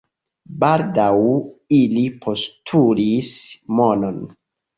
Baldaŭ ili postulis monon.